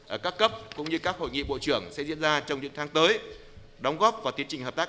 ở các cấp cũng như các hội nghị bộ trưởng sẽ diễn ra trong những tháng tới